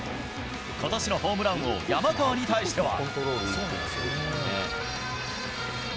ことしのホームラン王、山川に対しては。